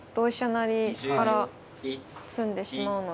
成から詰んでしまうので。